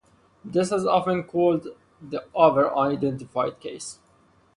This is often called the over-identified case.